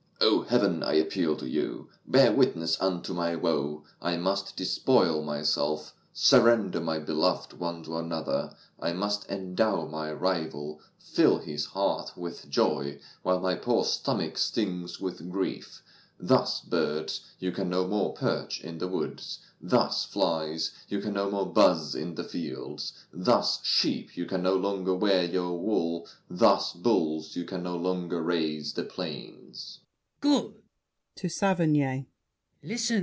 O Heaven, I appeal to you! Bear witness Unto my woe. I must despoil myself, Surrender my beloved one to another. I must endow my rival, fill his heart With joy, while my poor stomach stings with grief. Thus, birds, you can no more perch in the woods; Thus, flies, you can no more buzz in the fields; Thus, sheep, you can no longer wear your wool; Thus, bulls, you can no longer raze the plains."